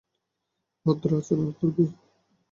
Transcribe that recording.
ভদ্র আচরণ করবে!